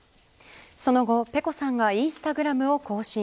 その後、ｐｅｃｏさんがインスタグラムを更新。